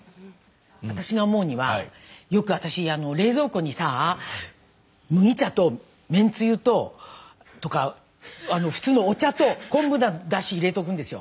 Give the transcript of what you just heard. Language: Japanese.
私が思うにはよく私冷蔵庫にさあ麦茶とめんつゆととか普通のお茶と昆布だし入れとくんですよ。